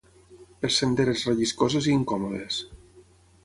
Per senderes relliscoses i incòmodes